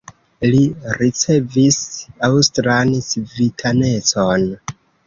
Li ricevis aŭstran civitanecon.